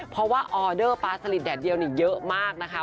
เพราะว่าออเดอร์ปลาสลิดแดดเดียวนี่เยอะมากนะคะ